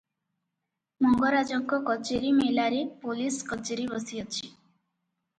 ମଙ୍ଗରାଜଙ୍କ କଚେରୀ ମେଲାରେ ପୋଲିସ କଚେରୀ ବସିଅଛି ।